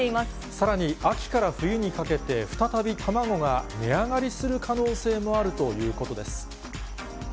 さらに秋から冬にかけて、再び卵が値上がりする可能性もあるということです。